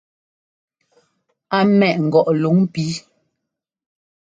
Á ḿmɛʼ ŋgɔʼ luŋ píi.